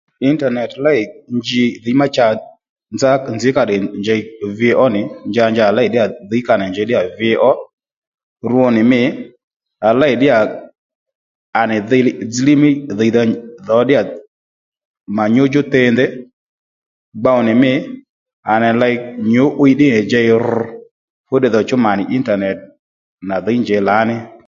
Intanet léy nji dhǐy má cha nzá nzǐ ka tdè njěy vi ó nì nja nja à lêy ddíyà dhǐy ka nì njèy ddíyà vi ó rwo nì mî à ley dí yà à nì dhi dzíy-líy mí dhìydha dhǒ ddíya mà nyú djú tendè gbow nì mî à nì ley nyǔ'wiy ddí nì jěy ru fú ddiy dhò chú mà nì intanet nà dhǐy njèy lǎ ní